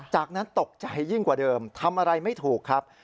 จากนั้นตกใจยิ่งกว่าเดิมทำอะไรไม่ถูกครับ